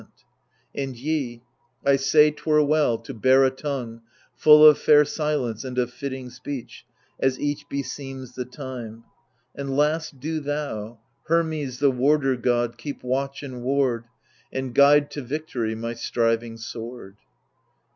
THE LIBATION BEARERS 109 And ye — I say 'twere well to bear a tongue Full of fair silence and of fitting speech As each beseems the time ; and last, do thou, Hermes the warder god, keep watch and ward, And guide to victory my striving sword.